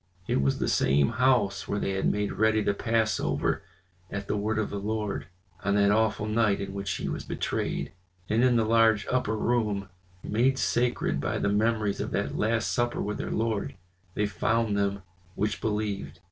It was the same house where they had made ready the Passover at the word of the Lord, on that awful night in which he was betrayed. And in the large upper room, made sacred by the memories of that last supper with their Lord, they found them which believed.